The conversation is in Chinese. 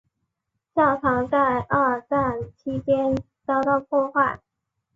教堂在二战期间遭到破坏。